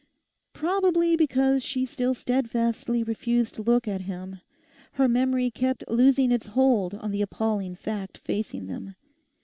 Probably because she still steadfastly refused to look at him, her memory kept losing its hold on the appalling fact facing them.